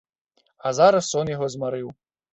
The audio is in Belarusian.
А зараз сон яго змарыў.